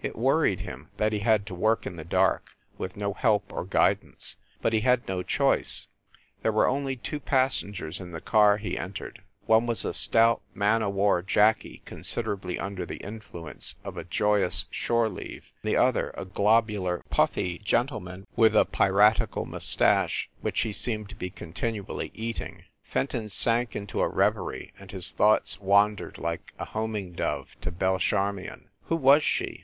It worried him that he had to work in the dark, with no help or guidance, but he had no choice. There were only two passengers in the car he en tered. One was a stout man o war Jackie consid erably under the influence of a joyous shore leave, the other a globular, puffy gentleman with a pirat THE SUBWAY EXPRESS 189 ical mustache which he seemed to be continually eating. Fenton sank into a reverie, and his thoughts wandered like a homing dove to Belle Charmion. Who was she?